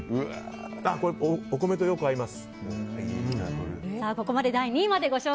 お米とよく合います。